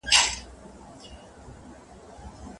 پاچهي وه د وطن د دنیادارو